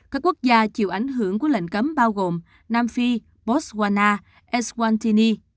các quốc gia chịu ảnh hưởng của lệnh cấm bao gồm nam phi botswana eswaltini